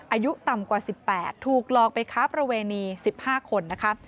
อายุต่ำกว่า๑๘ถูกหลอกไปค้าประเวณี๑๕คนนะคะ